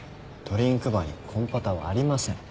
ドリンクバーにコンポタはありません。